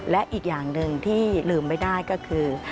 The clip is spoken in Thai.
และอีกอย่างหนึ่งที่ลืมไม่ได้ก็คือ